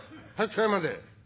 ８階まで。